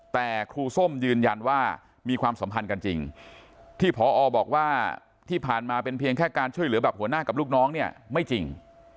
แต่ครูส้มยืนยันว่ามีความสัมพันธ์กันจริงที่พอบอกว่าที่ผ่านมาเป็นเพียงแค่การช่วยเหลือแบบหัวหน้ากับลูกน้องเนี่ยไม่จริง